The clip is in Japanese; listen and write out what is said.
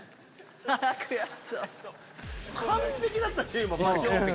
完璧だった今。